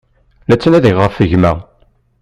La ttnadiɣ ɣef gma.